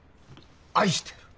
愛してやる！